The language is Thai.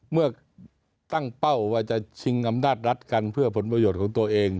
เมื่อตั้งเป้าว่าจะชิงอำนาจรัฐกันเพื่อผลประโยชน์ของตัวเอง